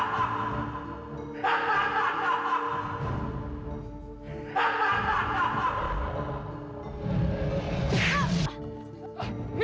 sampai jumpa di video selanjutnya